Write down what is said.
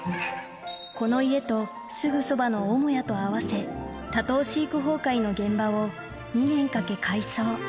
この家とすぐそばの母屋と合わせ、多頭飼育崩壊の現場を２年かけ改装。